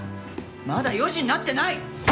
まだ４時になってない！